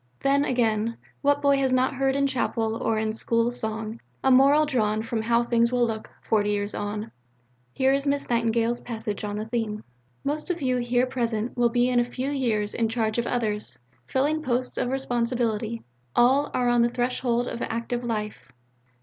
Then, again, what boy has not heard in Chapel or in school song a moral drawn from how things will look "forty years on"? Here is Miss Nightingale's passage on the theme: Most of you here present will be in a few years in charge of others, filling posts of responsibility. All are on the threshold of active life.